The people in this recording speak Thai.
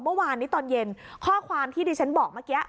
เมื่อวานตอนเย็นข้อความที่เดี๋ยวบ้างเมื่อกี้